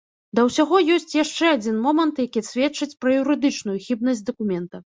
Да ўсяго ёсць яшчэ адзін момант, які сведчыць пра юрыдычную хібнасць дакумента.